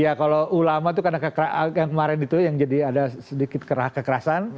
ya kalau ulama itu karena yang kemarin itu yang jadi ada sedikit kekerasan